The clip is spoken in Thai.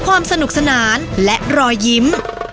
ความสนุกสนานและรอยยิ้ม